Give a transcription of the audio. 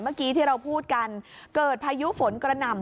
เมื่อกี้ที่เราพูดกันเกิดพายุฝนกระหน่ำ